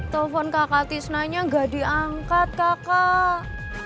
telepon kakak tisnanya gak diangkat kakak